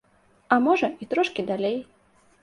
А можа, і трошкі далей.